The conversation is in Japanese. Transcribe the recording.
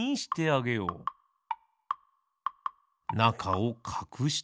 なかをかくして。